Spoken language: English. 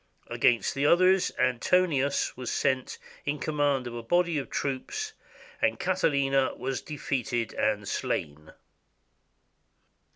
Against the others Antonius was sent in command of a body of troops, and Catiline was defeated and slain.